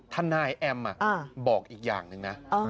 ทนายแอมบอกอีกอย่างหนึ่งนะ